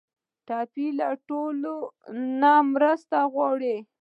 ټپي له ټولو نه مرسته غواړي.